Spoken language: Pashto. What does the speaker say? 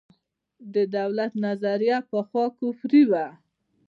د دولت نظریه پخوا کفري وه.